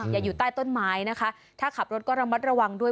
อยู่ใต้ต้นไม้นะคะถ้าขับรถก็ระมัดระวังด้วย